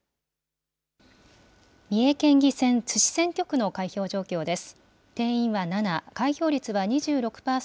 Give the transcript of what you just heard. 三重県議選津市選挙区の開票状況です。